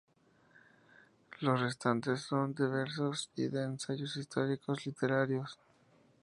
Los restantes, son de versos y de ensayos históricos y literarios.